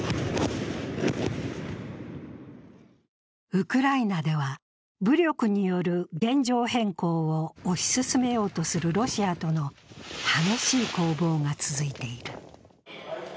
ウクライナでは、武力による現状変更を推し進めようとするロシアとの激しい攻防が続いている。